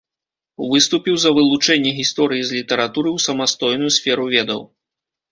Выступіў за вылучэнне гісторыі з літаратуры ў самастойную сферу ведаў.